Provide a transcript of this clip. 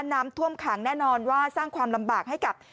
น้ำท่วมขังแน่นอนว่าสร้างความลำบากให้กับ